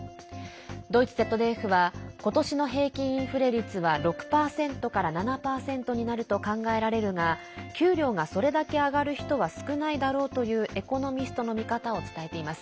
ドイツＺＤＦは今年の平均インフレ率は６％から７％になると考えられるが給料がそれだけ上がる人は少ないだろうというエコノミストの見方を伝えています。